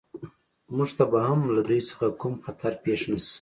موږ ته به هم له دوی څخه کوم خطر پېښ نه شي